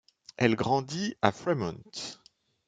Elle grandit à Fremont.